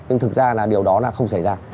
nhưng thực ra điều đó không xảy ra